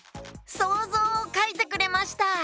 そうぞうをかいてくれました！